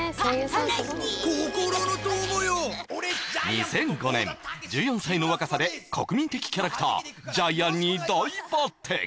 ２００５年１４歳の若さで国民的キャラクタージャイアンに大抜擢